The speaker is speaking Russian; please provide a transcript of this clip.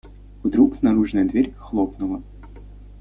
Вдруг наружная дверь хлопнула.